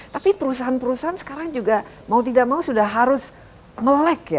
tapi perusahaan perusahaan sekarang juga mau tidak mau sudah harus melek ya